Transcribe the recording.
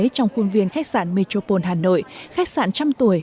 trong khuôn viên khách sạn metropole hà nội khách sạn trăm tuổi